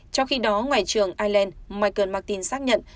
trong khi đó ngoại trưởng ireland michael martin xác nhận